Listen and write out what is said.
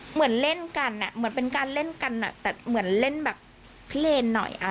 เหมือนเล่นกันเหมือนเป็นการเล่นกันแต่เหมือนเล่นแบบพิเลนหน่อย